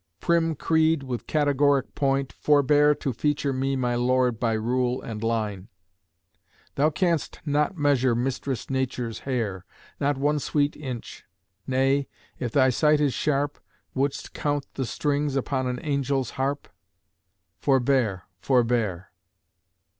Prim creed, with categoric point, forbear To feature me my Lord by rule and line. Thou canst not measure Mistress Nature's hair, Not one sweet inch: nay, if thy sight is sharp, Wouldst count the strings upon an angel's harp? Forbear, forbear.